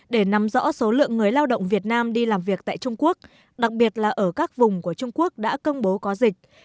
để nắm rõ số lượng người lao động việt nam đi làm việc tại trung quốc đặc biệt là ở các vùng của trung quốc đã công bố có dịch